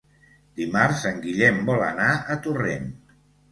Dimarts en Guillem vol anar a Torrent.